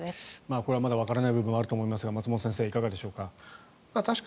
これはまだわからない部分はあると思いますが松本先生、いかがでしょうか。